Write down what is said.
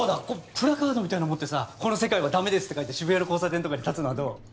プラカードみたいなのを持ってさ「この世界は駄目です」って書いて渋谷の交差点とかに立つのはどう？